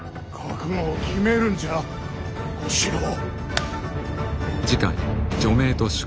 覚悟を決めるんじゃ小四郎。